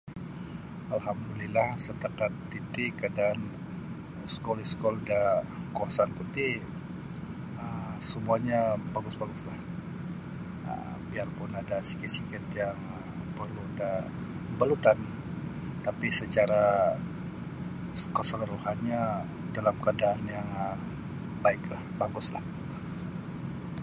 Alhamdulillah setakat titi kaadaan iskul-iskul da kawasan ku ti um semuanya bagus-baguslah biarpun ada sikit-sikit yang parlu da [unintelligible] tapi secara keseluruhanya dalam keadaan yang um baiklah baguslah.